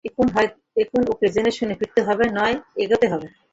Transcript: এখন ওকে জেনেশুনে হয় ফিরতে হবে নয় এগোতে হবে।